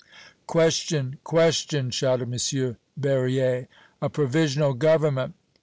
"Question question!" shouted M. Berryer. "A provisional government!"